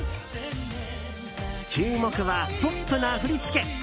注目はポップな振り付け。